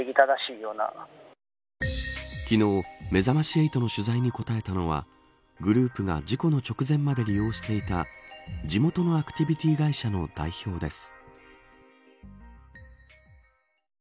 昨日、めざまし８の取材に答えたのはグループが事故の直前まで利用していた地元のアクティビティ会社の代表です。